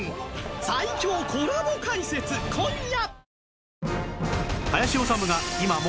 最強コラボ解説今夜！